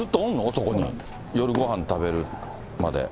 そこに、夜ごはん食べるまで。